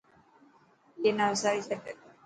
ائي نا وساري ڇڏ.